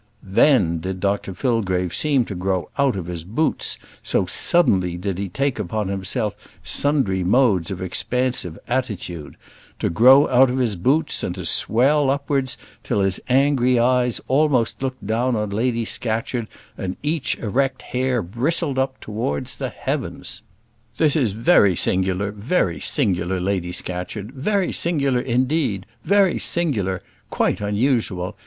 Then did Dr Fillgrave seem to grow out of his boots, so suddenly did he take upon himself sundry modes of expansive attitude; to grow out of his boots and to swell upwards, till his angry eyes almost looked down on Lady Scatcherd, and each erect hair bristled up towards the heavens. "This is very singular, very singular, Lady Scatcherd; very singular, indeed; very singular; quite unusual.